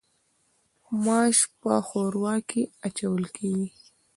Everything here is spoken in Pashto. ماش په ښوروا کې اچول کیږي.